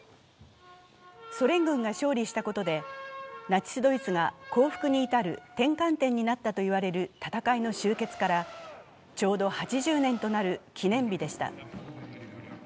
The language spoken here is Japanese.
ソ連軍が勝利したことでナチス・ドイツが降伏に至る転換点になったと言われる戦いの終結からちょうど８０年となる記念日でした。